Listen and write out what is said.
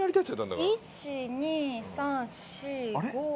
１２３４５６７。